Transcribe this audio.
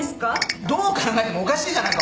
どう考えてもおかしいじゃないか。